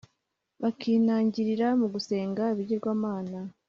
bakinangirira mu gusenga ibigirwamana